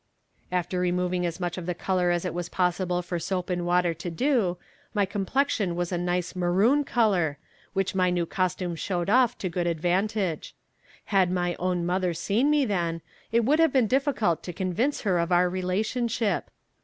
After removing as much of the color as it was possible for soap and water to do, my complexion was a nice maroon color, which my new costume showed off to good advantage. Had my own mother seen me then, it would have been difficult to convince her of our relationship.